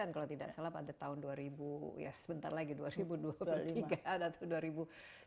kalau tidak salah pada tahun dua ribu ya sebentar lagi dua ribu dua puluh tiga atau dua ribu dua puluh